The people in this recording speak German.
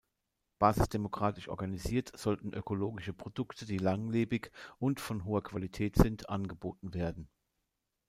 Basisdemokratisch organisiert sollten ökologische Produkte, die langlebig und von hoher Qualität sind, angeboten werden.